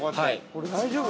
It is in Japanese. これ大丈夫？